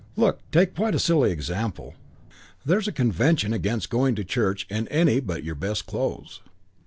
Look, take quite a silly example. There's a convention against going to church in any but your best clothes.